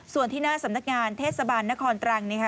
ส่วนที่หน้าสำนักงานเทศบาลนครตรังนะคะ